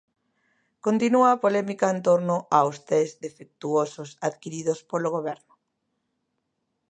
Continúa a polémica en torno aos tests defectuosos adquiridos polo Goberno.